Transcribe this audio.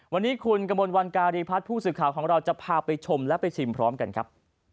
วันนี้คุณกระมวลวันการีพัฒน์ผู้สื่อข่าวของเราจะพาไปชมและไปชิมพร้อมกันครับ